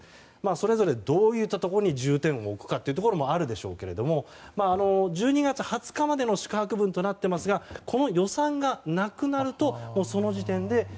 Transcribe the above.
それぞれ、どういったところに重点を置くかというのもあるでしょうけれども１２月２０日までの宿泊分となっていますがこの予算がなくなるとその時点で。